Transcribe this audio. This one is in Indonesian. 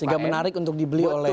juga menarik untuk dibeli oleh